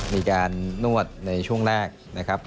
มีการนวดในช่วงแรกนะครับ